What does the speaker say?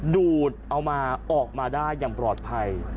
ดูดเอามาออกมาได้อย่างปลอดภัย